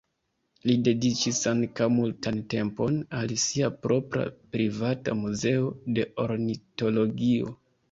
Li dediĉis ankaŭ multan tempon al sia propra privata muzeo de ornitologio.